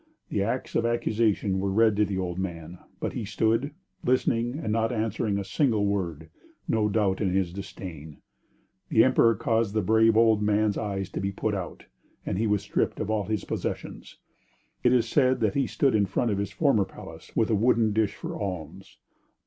The acts of accusation were read to the old man, but he stood, listening and not answering a single word, no doubt in his disdain. The emperor caused the brave old man's eyes to be put out, and he was stripped of all his possessions. It is said that he stood in front of his former palace with a wooden dish for alms.